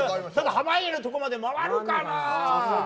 濱家のところまで回るかな？